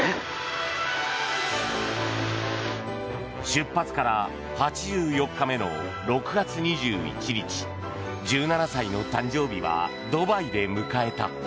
出発から８４日目の６月２１日１７歳の誕生日はドバイで迎えた。